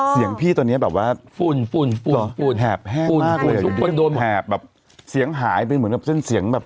เสียงพี่ตอนนี้แบบว่าฝุ่นฝุ่นแหบแห้งปุ่นมากเลยทุกคนโดนแหบแบบเสียงหายไปเหมือนแบบเส้นเสียงแบบ